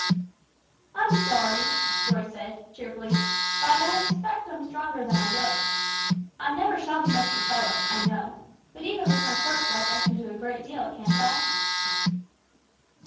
"I'm sorry," Roy said, cheerfully; "but I expect I'm stronger than I look. I never shall be much of a fellow, I know; but even with my cork leg I can do a good deal, can't I?"